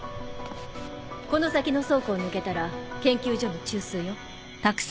この先の倉庫を抜けたら研究所の中枢よ。